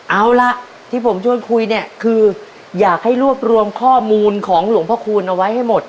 เอาล่ะที่ผมชวนคุยเนี่ยคืออยากให้รวบรวมข้อมูลของหลวงพระคูณเอาไว้ให้หมด